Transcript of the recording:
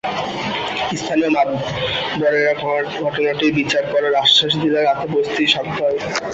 স্থানীয় মাতবরেরা ঘটনাটির বিচার করার আশ্বাস দিলে রাতে পরিস্থিতি শান্ত হয়।